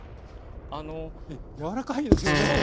柔らかいですよね結構。